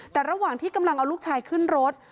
แต่ระหว่างที่กำลังเอาลูกชายขึ้นรถ